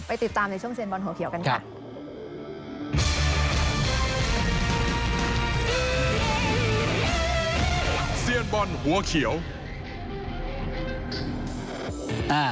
ติดตามในช่วงเซียนบอลหัวเขียวกันค่ะ